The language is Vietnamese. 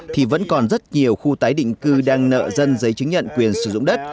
thì vẫn còn rất nhiều khu tái định cư đang nợ dân giấy chứng nhận quyền sử dụng đất